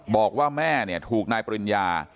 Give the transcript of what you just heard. บอกว่าแม่ถูกนายปริญญา